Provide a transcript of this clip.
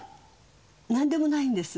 何でもないんです。